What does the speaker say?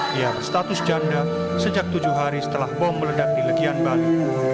dia berstatus janda sejak tujuh hari setelah bom meledak di legian bali